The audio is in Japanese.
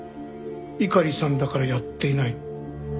猪狩さんだからやっていない。